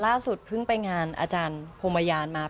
ล่าสุดเพิ่งไปงานอาจารย์โภมายานมา